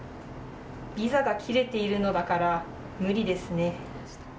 ビザが切れているのだから無理ですね。